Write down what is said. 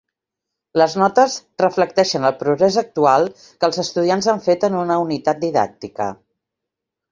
Les notes reflecteixen el progrés actual que els estudiants han fet en una unitat didàctica.